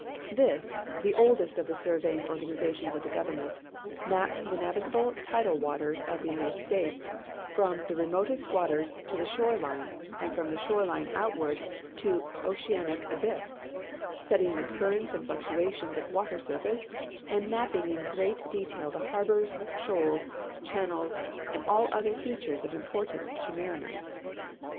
This, the oldest of the surveying organizations of the Government, maps the navigable tidal waters of the United States from the remotest waters to tlie shore line and from the shore lipe outward to the oceanic abyss, studying the currents and fluctuations of water surface and map])ing in great detail the harbors, shoals, cliannels, and all other features ■of importance to mariners.